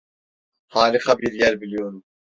Harika bir yer biliyorum.